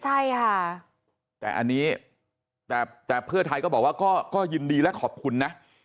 ใช่ค่ะแต่เพื่อไทยก็บอกว่าก็ยินดีและขอบคุณนะ